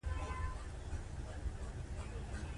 دا وطن په موږ جوړیږي.